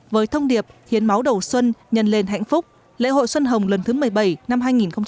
với thông điệp hiến máu đầu xuân nhân lên hạnh phúc lễ hội xuân hồng lần thứ một mươi bảy năm hai nghìn hai mươi